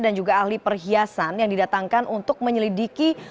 dan juga ahli perhiasan yang didatangkan untuk menyelidiki